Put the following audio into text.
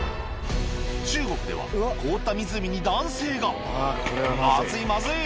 中国では凍った湖に男性がまずいまずい！